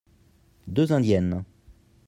Deux indiennes.